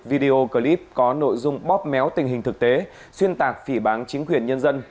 video clip có nội dung bóp méo tình hình thực tế xuyên tạc phỉ bán chính quyền nhân dân